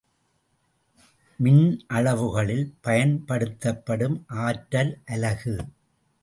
மின்னளவுகளில் பயன்படுத்தப்படும் ஆற்றல் அலகு.